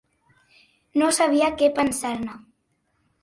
No sabia què pensar-ne